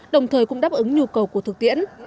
đồng thời cũng đáp ứng nhu cầu của thực tiễn